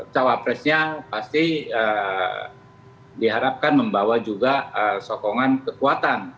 cawapresnya pasti diharapkan membawa juga sokongan kekuatan